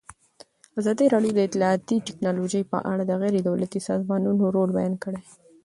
ازادي راډیو د اطلاعاتی تکنالوژي په اړه د غیر دولتي سازمانونو رول بیان کړی.